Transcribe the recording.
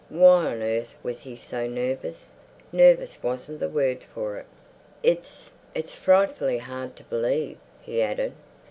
Why on earth was he so nervous? Nervous wasn't the word for it. "It's—it's frightfully hard to believe," he added.